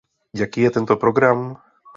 Jaký je tento program?